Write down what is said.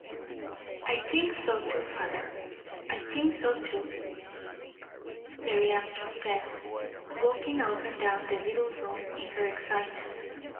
"I think so too, father; I think so too," Mary Armstrong said, walking up and down the little room in her excitement.